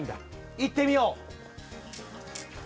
いってみよう！